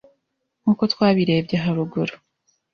nkuko twabirebye haruguru